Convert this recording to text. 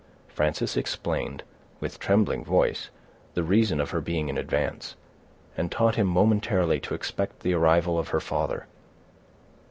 Frances explained, with trembling voice, the reason of her being in advance, and taught him momentarily to expect the arrival of her father.